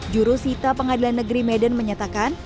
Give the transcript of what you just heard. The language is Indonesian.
juru sita pengadilan negeri medan menyatakan